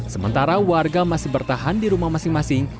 sementara warga masih bertahan di rumah masing masing